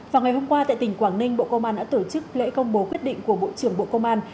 vào ngày hôm qua tại tỉnh quảng ninh bộ công an đã tổ chức lễ công bố quyết định của bộ trưởng bộ công an